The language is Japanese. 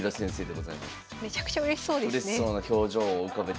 めちゃくちゃうれしそうですね。